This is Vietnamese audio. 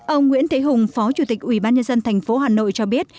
ông nguyễn thế hùng phó chủ tịch ủy ban nhân dân thành phố hà nội cho biết